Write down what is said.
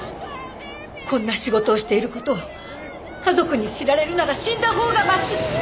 こんな仕事をしている事を家族に知られるなら死んだほうがまし！